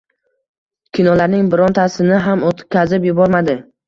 Kinolarning birontasini ham oʻtkazib yubormadi